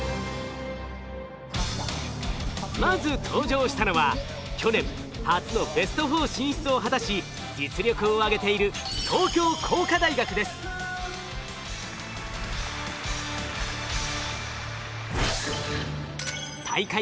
まず登場したのは去年初のベスト４進出を果たし実力を上げている大会